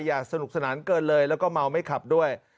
สนุกสนานเกินเลยแล้วก็เมาไม่ขับด้วย